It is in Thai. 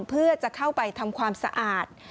เพื่อจะเข้าไปทำความสะอาด